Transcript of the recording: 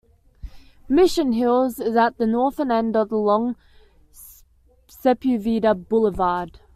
Mission Hills is at the northern end of the long Sepulveda Boulevard.